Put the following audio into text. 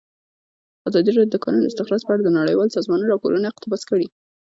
ازادي راډیو د د کانونو استخراج په اړه د نړیوالو سازمانونو راپورونه اقتباس کړي.